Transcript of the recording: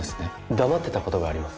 黙ってたことがあります